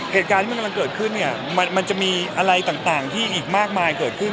เหตุการณ์ที่มันกำลังเกิดขึ้นเนี่ยมันจะมีอะไรต่างที่อีกมากมายเกิดขึ้น